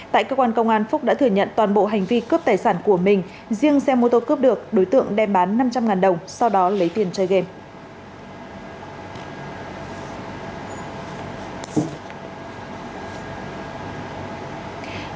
tại cơ quan công an phúc đã thừa nhận toàn bộ hành vi cướp tài sản của mình riêng xe mô tô cướp được đối tượng đem bán năm trăm linh đồng sau đó lấy tiền chơi game